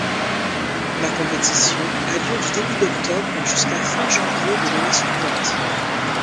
La compétition a lieu du début d'octobre jusqu’à fin janvier de l'année suivante.